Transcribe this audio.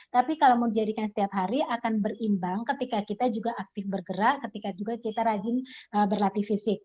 tapi kalau mau dijadikan setiap hari akan berimbang ketika kita juga aktif bergerak ketika juga kita rajin berlatih fisik